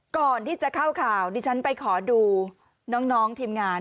ก่อนที่จะเข้าข่าวดิฉันไปขอดูน้องทีมงาน